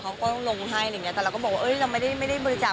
เขาก็ลงให้อะไรอย่างเงี้แต่เราก็บอกว่าเอ้ยเราไม่ได้ไม่ได้บริจาค